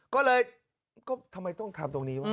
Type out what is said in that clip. ก็เลยก็ทำไมต้องทำตรงนี้วะ